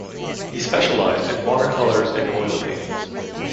He specialized in watercolors and oil paintings.